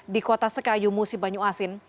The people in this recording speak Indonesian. di kota sekayu musi banyu asin